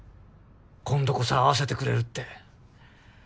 今度こそ会わせてくれるって。